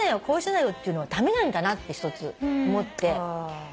こうしなよっていうのは駄目なんだなって一つ思って。